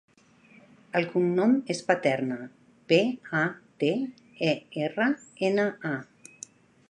El cognom és Paterna: pe, a, te, e, erra, ena, a.